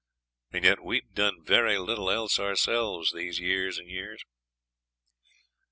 And yet we'd done very little else ourselves these years and years.